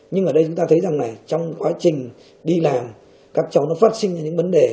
nhưng ở đây chúng ta thấy rằng là trong quá trình đi làm các cháu nó phát sinh ra những vấn đề